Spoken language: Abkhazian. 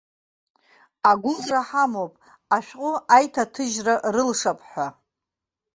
Агәыӷра ҳамоуп ашәҟәы аиҭаҭыжьра рылшап ҳәа.